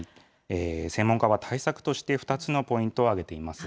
専門家は対策として２つのポイントを挙げています。